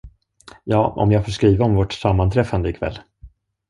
Ja, om jag får skriva om vårt sammanträffande i kväll.